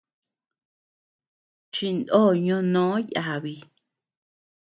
Chindo ñonó yabi.